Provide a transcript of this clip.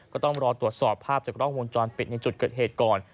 ก็ต้องรอตรวจสอบภาพจากกล้องวงจรปิดในจุดเกิดเหตุก่อน